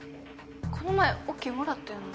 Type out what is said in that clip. この前オッケーもらったやんな。